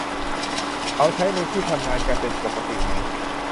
เขาใช้ในที่ทำงานกันเป็นปกติไหม